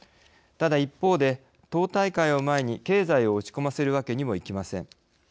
ただ一方で、党大会を前に経済を落ち込ませるわけにもいきません。